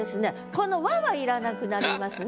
この「は」は要らなくなりますね。